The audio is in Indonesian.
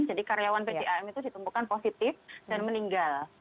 jadi karyawan pdam itu ditemukan positif dan meninggal